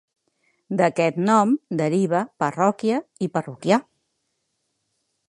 D'aquest nom deriva parròquia i parroquià.